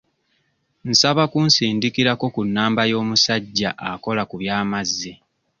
Nsaba kunsindikirako ku namba y'omusajja akola ku by'amazzi.